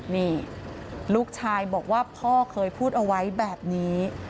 นี่ลูกชายบอกว่าพ่อเคยพูดเอาไว้แบบนี้